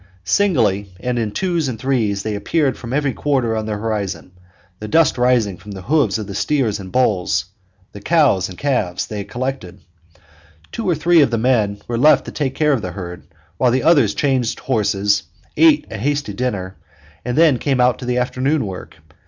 Singly and in twos and threes they appeared from every quarter of the horizon, the dust rising from the hoofs of the steers and bulls, the cows and calves, they had collected. Two or three of the men were left to take care of the herd while the others changed horses, ate a hasty dinner, and then came out to the afternoon work.